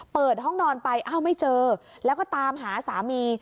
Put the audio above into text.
เปิดห้องนอนไปอ้าวไม่เจอแล้วก็ตามหาสามี